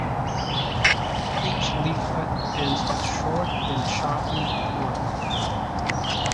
Each leaflet ends with short and sharpened point.